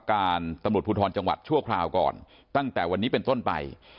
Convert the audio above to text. ไม่มาผู้อดีตทั้งสองฝ่ายไม่ได้มา